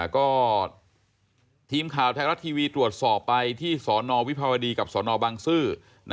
ก็ทีมข่าวไทยรัฐทีวีตรวจสอบไปที่สนวิภาวดีกับสนบังซื้อ